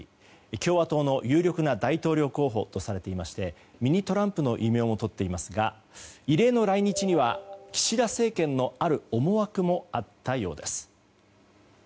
共和党の有力な大統領候補とされていましてミニトランプの異名もとっていますが異例の来日には岸田政権のある思惑もあったようです。